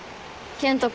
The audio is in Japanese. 健人君？